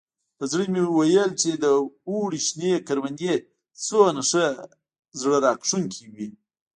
په زړه مې ویل چې د اوړي شنې کروندې څومره زړه راښکونکي وي.